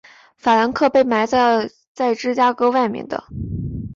法兰克被埋葬在芝加哥外面的。